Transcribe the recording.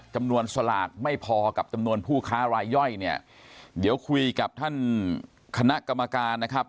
สลากไม่พอกับจำนวนผู้ค้ารายย่อยเนี่ยเดี๋ยวคุยกับท่านคณะกรรมการนะครับ